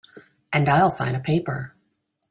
And I'll sign a paper.